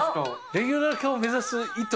レギュラー化を目指す意図